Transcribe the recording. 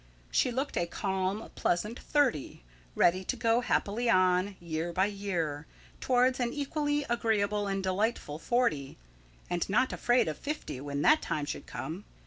She looked a calm, pleasant thirty; ready to go happily on, year by year, towards an equally agreeable and delightful forty; and not afraid of fifty, when that time should come.